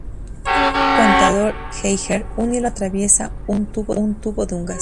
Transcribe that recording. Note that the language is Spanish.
En un contador Geiger, un hilo atraviesa un tubo de un gas.